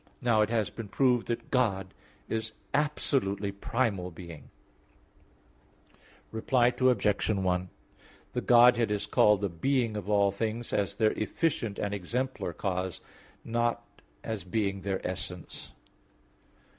Now it has been proved that God is absolutely primal being (Q. 2, A. 3). Reply Obj. 1: The Godhead is called the being of all things, as their efficient and exemplar cause, but not as being their essence.